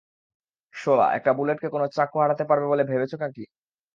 শোলা, একটা বুলেটকে কোনো চাকু হারাতে পারবে বলে ভেবেছ নাকি?